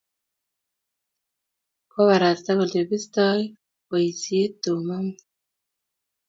Koubarasta kole bistoi boisiet Tom amut